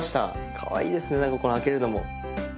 かわいいですね何かこの開けるのも。